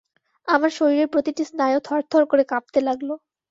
আমার শরীরের প্রতিটি স্নায়ু থরথর করে কাঁপতে লাগল।